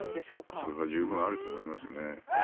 それは十分あると思います。